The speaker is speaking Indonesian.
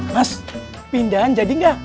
mas pindahan jadi gak